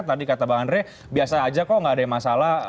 tadi kata pak andre biasa saja kok tidak ada masalah